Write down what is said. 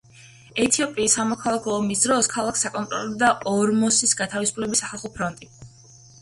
ეთიოპიის სამოქალაქო ომის დროს ქალაქს აკონტროლებდა ორომოს გათავისუფლების სახალხო ფრონტი.